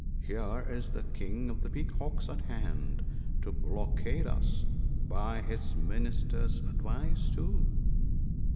Here is the King of the Peacocks at hand, to blockade us, — by his Minister's advice too."